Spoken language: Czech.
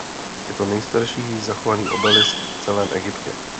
Je to nejstarší zachovaný obelisk v celém Egyptě.